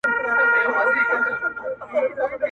ورور هم فشار للاندي دی او خپل عمل پټوي,